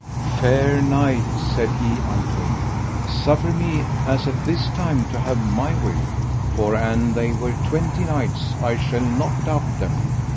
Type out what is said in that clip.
Fair knight, said he unto him, suffer me as at this time to have my will, for an they were twenty knights I shall not doubt them.